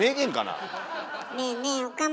ねえねえ岡村。